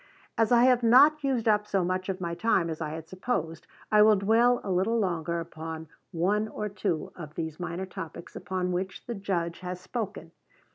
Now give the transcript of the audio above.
As I have not used up so much of my time as I had supposed, I will dwell a little longer upon one or two of these minor topics upon which the Judge has spoken.